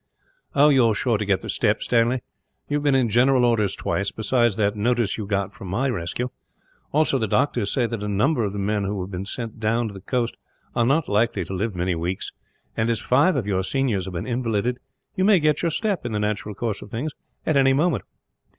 "You are sure to get the step, Stanley. You have been in general orders twice, besides that notice you got for my rescue. Also, the doctors say that a number of the men who have been sent down to the coast are not likely to live many weeks and, as five of your seniors have been invalided, you may get your step, in the natural course of things, at any moment.